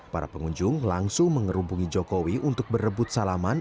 para pengunjung langsung mengerubungi jokowi untuk berebut salaman